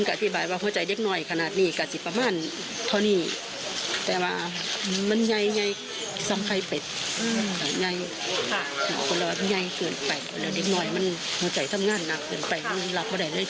เขาด้วยสองคนละอาจจะเป็นสาเหตุเดียวกันคือน้องพรกับน้องปาตี้